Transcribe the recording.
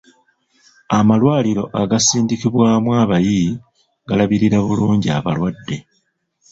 Amalwaliro agasindikibwamu abayi galabirira bulungi abalwadde.